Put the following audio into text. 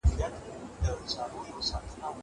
هغه څوک چي چپنه پاکوي منظم وي!!